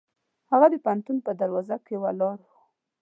هغه د پوهنتون په دروازه کې ولاړ و.